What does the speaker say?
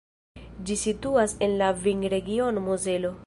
Ĝi situas en la vinregiono Mozelo.